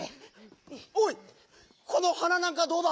おいこのはななんかどうだ？